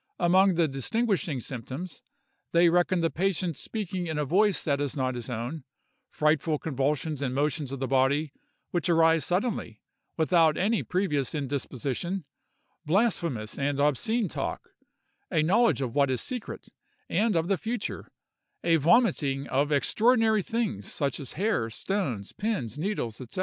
Among the distinguishing symptoms, they reckon the patient's speaking in a voice that is not his own; frightful convulsions and motions of the body, which arise suddenly, without any previous indisposition; blasphemous and obscene talk; a knowledge of what is secret, and of the future; a vomiting of extraordinary things such as hair, stones, pins, needles, &c.